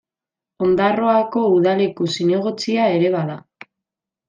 Ondarroako udaleko zinegotzia ere bada.